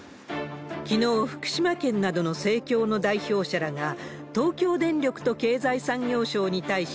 きのう、福島県などの生協の代表者らが、東京電力と経済産業省に対し、